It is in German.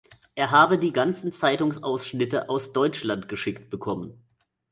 Er habe die ganzen Zeitungsausschnitte aus Deutschland geschickt bekommen.